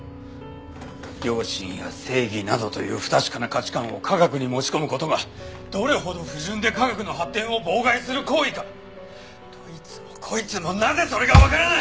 良心や正義などという不確かな価値観を科学に持ち込む事がどれほど不純で科学の発展を妨害する行為かどいつもこいつもなぜそれがわからない！？